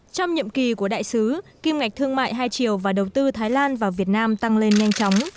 trong nhiệm kỳ của đại sứ kim ngạch thương mại hai triệu và đầu tư thái lan vào việt nam tăng lên nhanh chóng